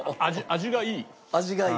味がいい？